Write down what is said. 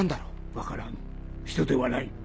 分からぬ人ではない。